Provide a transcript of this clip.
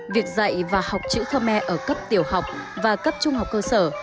việc dạy và học chữ khơ me ở cấp tiểu học và cấp trung học cơ sở